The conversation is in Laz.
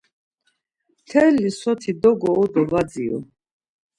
Telli soti dogoru do var dziru.